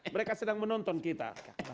mereka sedang menonton kita